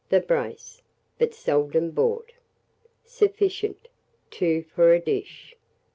the brace; but seldom bought. Sufficient, 2 for a dish.